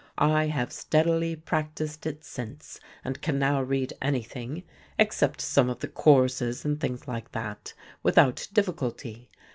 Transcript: I have steadily practised it since and can now read anything, except some of the choruses and things like that, without difficulty.